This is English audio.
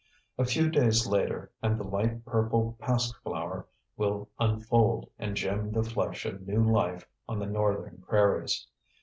A few days later and the light purple pasque flower will unfold and gem the flush of new life on the northern prairies.